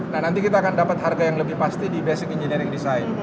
nah nanti kita akan dapat harga yang lebih pasti di basic engineering design